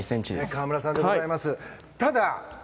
河村さんと同じでございます。